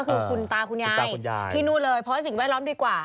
ก็คือคุณตาคุณยายที่นู่นเลยเพราะสิ่งแวดล้อมดีกว่า